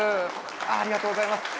ありがとうございます。